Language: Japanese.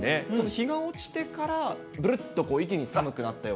日が落ちてからぶるっと一気に寒くなったような。